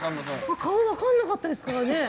顔、分からなかったですからね。